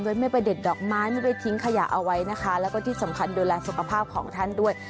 ไม่ไปเด็ดดอกไม้ไม่ไปทิ้งขยะเอาไว้นะคะแล้วก็ที่สำคัญดูแลสุขภาพของท่านด้วย